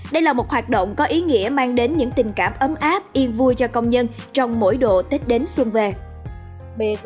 đây là một hoạt động có ý nghĩa mang đến những tình cảm ấm áp yên vui cho công nhân trong mỗi độ tết đến xuân về